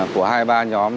của hai mươi ba nhóm